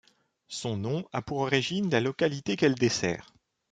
Son nom a pour origine la localité qu'elle dessert.